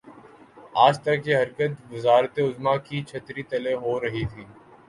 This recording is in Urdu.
آج تک یہ حرکت وزارت عظمی کی چھتری تلے ہو رہی تھی۔